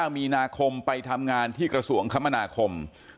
มีนาคมไปทำงานที่กระทรวงคมนาคม